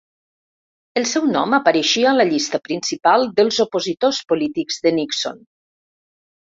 El seu nom apareixia a la llista principal dels opositors polítics de Nixon.